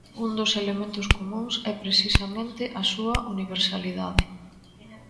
Un dos elementos comúns é precisamente a súa universalidade.